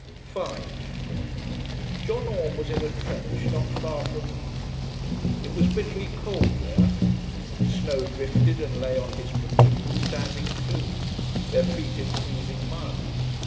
5 John Orme was in a trench, not far from Ypres. It was bitterly cold there; snow drifted and lay on his platoon standing to, their feet in freezing mud.